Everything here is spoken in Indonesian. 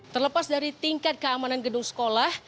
terlepas dari tingkat keamanan gedung sekolah